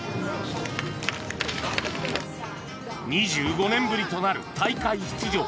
２５年ぶりとなる大会出場。